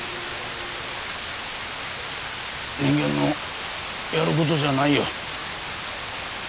人間のやる事じゃないよ。